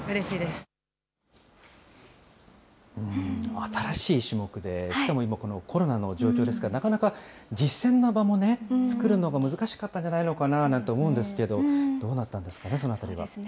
新しい種目で、しかも今、このコロナの状況ですから、なかなか実戦の場も作るのが難しかったんじゃないのかななんて思うんですけど、どうだったんですかね。